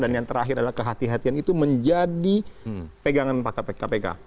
dan yang terakhir adalah kehatian kehatian itu menjadi pegangan kpk